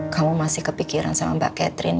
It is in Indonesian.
kamu masih kepikiran sama mbak catherine